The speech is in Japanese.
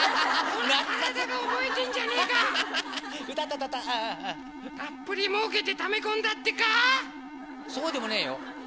たっぷりもうけてため込んだってか⁉そうでもねえよ。